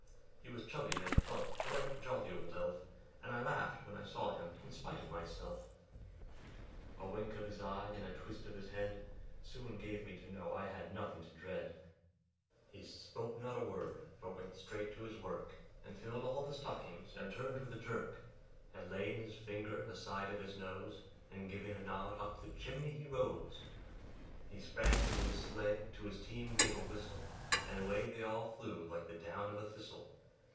He was chubby and plump, a right jolly old elf, And I laughed when I saw him, in spite of myself; A wink of his eye and a twist of his head, Soon gave me to know I had nothing to dread; He spoke not a word, but went straight to his work, And filled all the stockings; then turned with a jerk, And laying his finger aside of his nose, And giving a nod, up the chimney he rose; He sprang to his sleigh, to his team gave a whistle, And away they all flew like the down of a thistle.